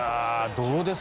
どうです？